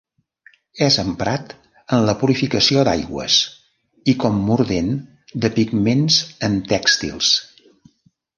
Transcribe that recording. És emprat en la purificació d'aigües i com mordent de pigments en tèxtils.